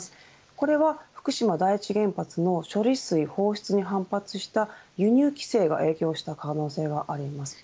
これは福島第一原発の処理水放出に反発した輸入規制が影響した可能性があります。